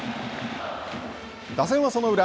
打線はその裏。